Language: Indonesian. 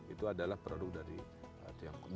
itu adalah produk dari tiongkok